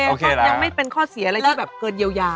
โอเคยังไม่เป็นข้อเสียอะไรที่เกิดเยียวยา